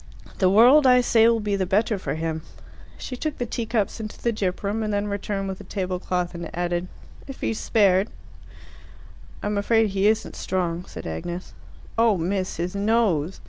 The world, I say, will be the better for him." She took the teacups into the gyp room, and then returned with the tablecloth, and added, "if he's spared." "I'm afraid he isn't strong," said Agnes. "Oh, miss, his nose!